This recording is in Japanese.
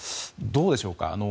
どうでしょうか